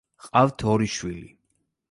ჰყავთ ორი შვილი.